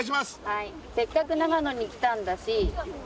はい「せっかく長野に来たんだし」